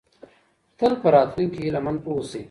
تل په راتلونکي هیله مند اوسئ.